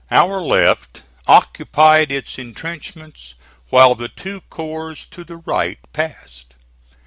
Our left occupied its intrenchments while the two corps to the right passed.